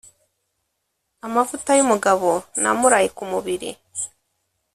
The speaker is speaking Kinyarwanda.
Amavuta y’umugabo ni amuraye ku mubiri.